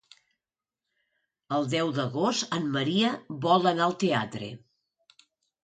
El deu d'agost en Maria vol anar al teatre.